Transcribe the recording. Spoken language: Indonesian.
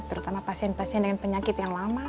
terutama pasien pasien dengan penyakit yang lama